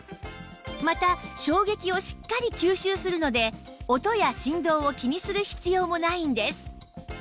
また衝撃をしっかり吸収するので音や振動を気にする必要もないんです